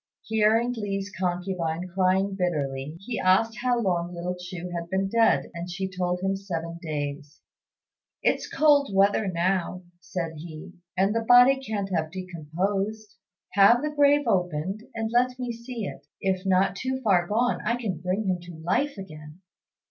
Hearing Li's concubine crying bitterly, he asked how long little Chu had been dead, and she told him seven days. "It's cold weather now," said he, "and the body can't have decomposed. Have the grave opened, and let me see it; if not too far gone, I can bring him to life again."